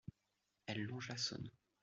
Elle longe la Saône.